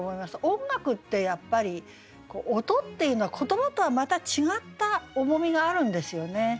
音楽ってやっぱり音っていうのは言葉とはまた違った重みがあるんですよね。